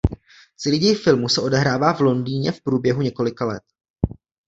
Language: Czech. Celý děj filmu se odehrává v Londýně v průběhu několika let.